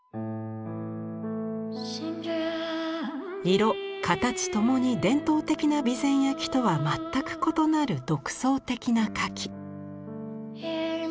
色形ともに伝統的な備前焼とは全く異なる独創的な花器。